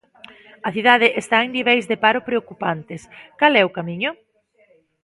A cidade está en niveis de paro preocupantes, cal é o camiño?